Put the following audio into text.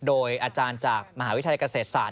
โดยอาจารย์จากมหาวิทยาลัยเกษตรศาส